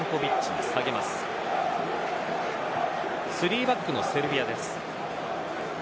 ３バックのセルビアです。